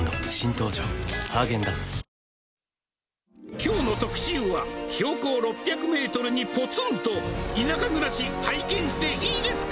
きょうの特集は、標高６００メートルにぽつんと田舎暮らし拝見していいですか？